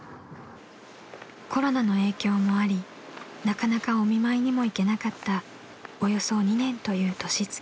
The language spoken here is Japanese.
［コロナの影響もありなかなかお見舞いにも行けなかったおよそ２年という年月］